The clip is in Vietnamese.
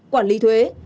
quản lý thuế